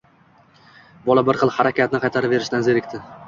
Bola bir xil harakatni qaytaraverishdan zerikdi